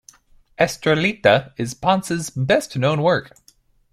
"Estrellita" is Ponce's best known work.